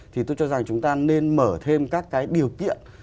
thì tôi cho rằng chúng ta nên mở thêm các cái điều kiện